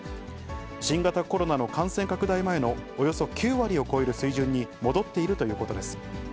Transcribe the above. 新型コロナの感染拡大前のおよそ９割を超える水準に戻っているということです。